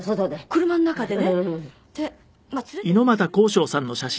車の中で？